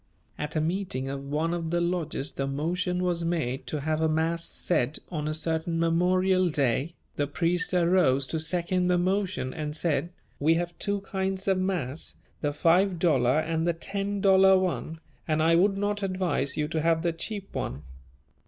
At a meeting of one of the lodges the motion was made to have a mass said on a certain memorial day; the priest arose to second the motion, and said, "We have two kinds of mass, the five dollar and the ten dollar one, and I would not advise you to have the cheap one."